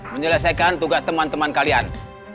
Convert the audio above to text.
menyelesaikan tugas teman teman kalian